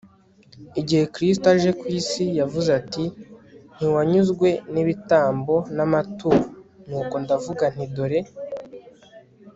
igihe kristu aje ku isi yavuze ati ntiwanyuzwe n'ibitambo n'amaturo... nuko ndavuga nti dore